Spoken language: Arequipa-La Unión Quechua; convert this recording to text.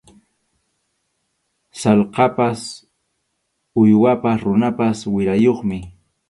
Sallqapas uywapas runapas wirayuqmi.